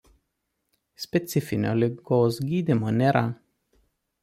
Specifinio ligos gydymo nėra.